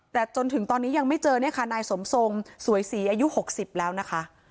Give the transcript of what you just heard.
แต่จนถึงตอนนี้ยังไม่เจอเนี่ยค่ะนายสมทรงสวยศรีอายุ๖๐แล้วนะคะ